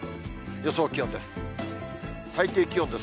予想気温です。